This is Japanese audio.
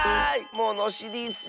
ものしりッス！